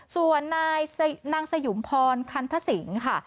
ส่วนนายนางสยุมพรคันทสิงค่ะ